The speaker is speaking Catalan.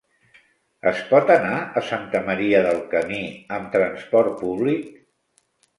Es pot anar a Santa Maria del Camí amb transport públic?